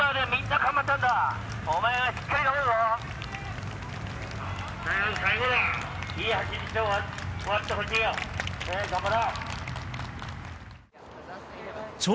頑張ろう。